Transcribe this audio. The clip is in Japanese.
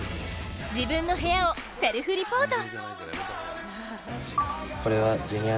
自分の部屋をセルフリポート。